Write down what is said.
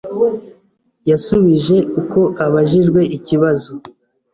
Yasubije uko abajijwe ikibazo